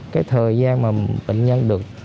cái thời gian mà bệnh nhân được